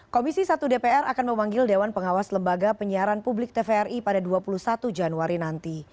komisi satu dpr akan memanggil dewan pengawas lembaga penyiaran publik tvri pada dua puluh satu januari nanti